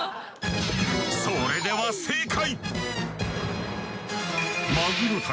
それでは正解！